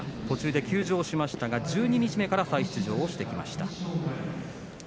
途中で休場しましたが十二日目から再出場してきました。